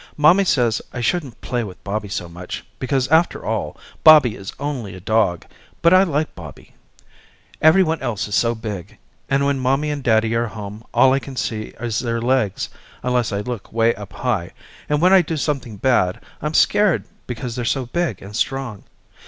Mommy says I shouldn't play with Bobby so much because after all Bobby is only a dog but I like Bobby. Everyone else is so big, and when mommy and daddy are home all I can see is their legs unless I look way up high, and when I do something bad I'm scared because they're so big and strong.